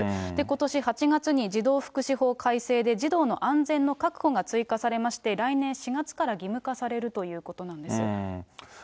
ことし８月に児童福祉法改正で、児童の安全の確保が追加されまして、来年４月から義務化されるということなんです。